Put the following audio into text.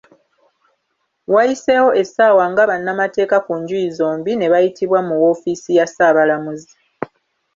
Wayiseewo essaawa nga bannamateeka ku njuuyi zombi ne bayitibwa mu woofiisi ya Ssaabalamuzi.